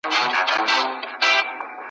یو خوا ډانګ دی لخوا پړانګ دی ,